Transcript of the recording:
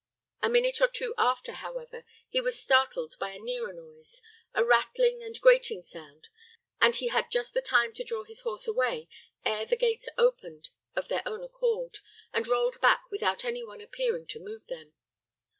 A minute or two after, however, he was startled by a nearer noise a rattling and grating sound and he had just time to draw his horse away ere the gates opened of their own accord, and rolled back without any one appearing to move them.